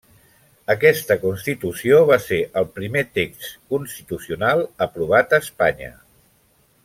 Aquesta constitució va ser el primer text constitucional aprovat a Espanya.